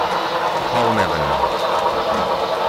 Paul Nevin.